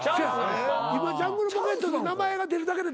今ジャングルポケットって名前が出るだけで大爆笑。